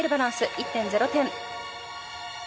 １．０点。